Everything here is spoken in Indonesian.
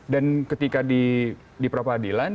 dan ketika di peradilan